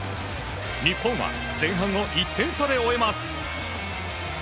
日本は前半を１点差で終えます。